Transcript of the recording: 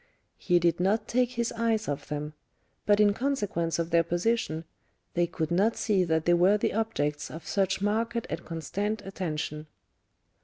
He did not take his eyes off them; but in consequence of their position, they could not see that they were the objects of such marked and constant attention.